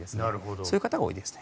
そういう方が多いですね。